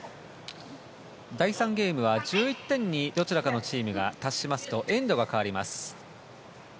第３ゲームは１１点にどちらかのチームが達しますとエンドが変わります。